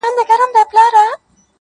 زړه لکه هينداره ښيښې گلي.